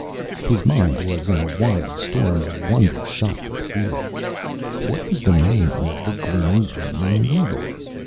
His mind was in a wild storm of wonder shot with fear. What was the meaning of the gleaming ring and needle?